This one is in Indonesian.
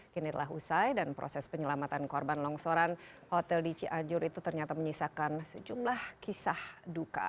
kini telah usai dan proses penyelamatan korban longsoran hotel di cianjur itu ternyata menyisakan sejumlah kisah duka